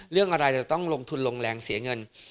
เรื่องอะไรจะต้องลงทุนลงแรงเสียเงิน